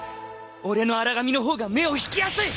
俺の「荒神」の方が目を引きやすい。